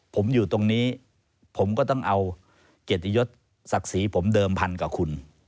ผมอยู่ตรงนี้ผมก็ต้องเอาเกียรติยศศักดิ์ศรีผมเดิมพันกับคุณ